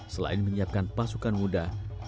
selain menyiapkan pasukan muda